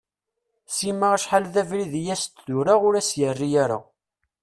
Sima acḥal d abrid i as-d-tura ur as-yerri ara.